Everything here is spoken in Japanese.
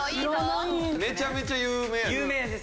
めちゃめちゃ有名やで。